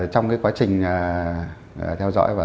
trong cái quá trình theo dõi và